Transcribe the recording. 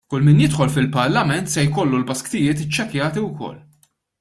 Kull min jidħol fil-Parlament se jkollu l-basktijiet iċċekkjati wkoll.